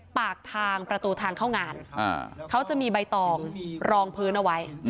ปากทางประตูทางเข้างานเขาจะมีใบตองรองพื้นเอาไว้